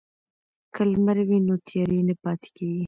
که لمر وي نو تیارې نه پاتیږي.